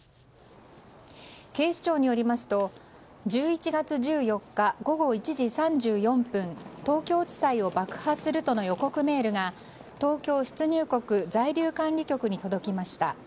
警視庁によりますと１１月１４日午後１時３４分東京地裁を爆破するとの予告メールが東京出入国在留管理局に届きました。